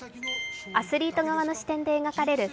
アスリート側の視点で描かれるＳＩＤＥ：